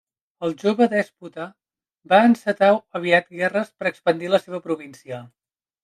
El jove dèspota va encetar aviat guerres per expandir la seva província.